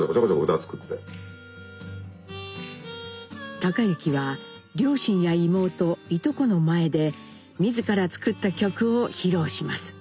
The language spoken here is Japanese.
隆之は両親や妹いとこの前で自ら作った曲を披露します。